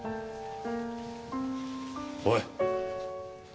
おい。